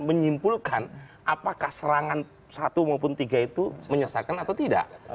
menyimpulkan apakah serangan satu maupun tiga itu menyesalkan atau tidak